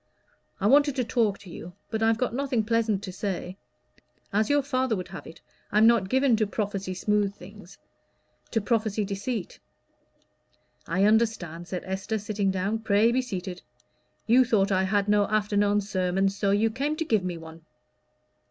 I wanted to talk to you, but I've got nothing pleasant to say. As your father would have it, I'm not given to prophesy smooth things to prophesy deceit." "I understand," said Esther, sitting down. "Pray be seated. You thought I had no afternoon sermon, so you came to give me one."